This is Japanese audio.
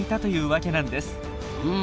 うん。